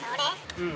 うん。